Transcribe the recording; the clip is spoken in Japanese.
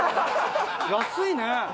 安いね。